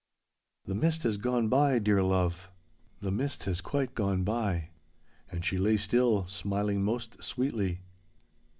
'The mist has gone by, dear love! The mist has quite gone by!' And she lay still, smiling most sweetly.